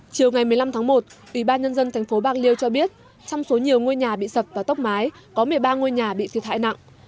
chiều ngày một mươi năm tháng một ủy ban nhân dân thành phố bạc liêu cho biết trong số nhiều ngôi nhà bị sập và tốc mái có một mươi ba ngôi nhà bị thiệt hại nặng